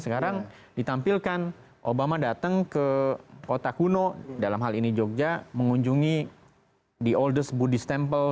sekarang ditampilkan obama datang ke kota kuno dalam hal ini jogja mengunjungi the oldest buddhist temple